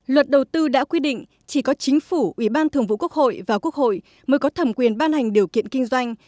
luật đầu tư đã quy định chỉ có chính phủ ủy ban thường vụ quốc hội và quốc hội mới có thẩm quyền ban hành điều kiện kinh doanh